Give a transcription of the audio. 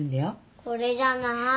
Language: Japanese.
これじゃない。